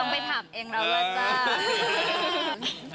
ต้องไปถามเองแล้วล่ะจ้ะ